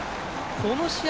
この試合